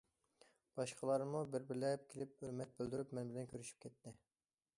باشقىلارمۇ بىر- بىرلەپ كېلىپ ھۆرمەت بىلدۈرۈپ مەن بىلەن كۆرۈشۈپ كەتتى.